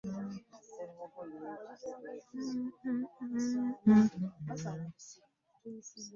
Mpozzi wamu n'abalonzi okubakandwa ssente, basobole okubalonda